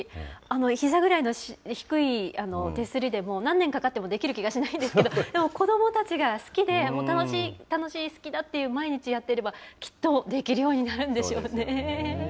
ひざぐらいの低い手すりでも、何年かたってもできる気がしないんですけど、でも子どもたちが好きで、もう楽しい、楽しい、好きだって毎日やってれば、きっとできるようになるんでしょうね。